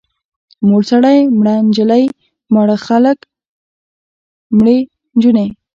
مور سړی، مړه نجلۍ، ماړه خلک، مړې نجونې.